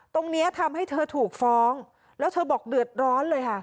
ตรงนี้ทำให้เธอถูกฟ้องแล้วเธอบอกเดือดร้อนเลยค่ะ